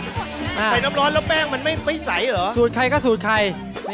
ใส่น้ำร้อนแล้วแป้งมันไม่ใสเหรอสูตรใครก็สูตรใคร